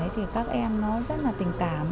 thì các em nó rất là tình cảm